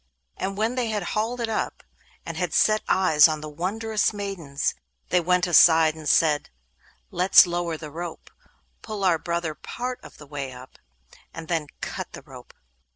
And when they had hauled it up, and had set eyes on the wondrous maidens, they went aside and said: 'Let's lower the rope, pull our brother part of the way up, and then cut the rope.